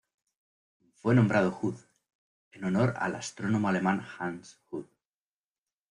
Fue nombrado Huth en honor al astrónomo alemán Hans Huth.